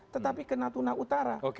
tetapi ke natuna utara